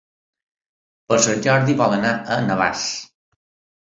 Per Sant Jordi vol anar a Navàs.